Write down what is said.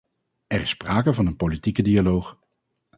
Er is sprake van een politieke dialoog.